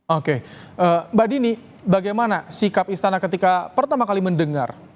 oke mbak dini bagaimana sikap istana ketika pertama kali mendengar